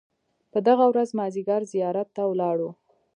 په دغه ورځ مازیګر زیارت ته ولاړو.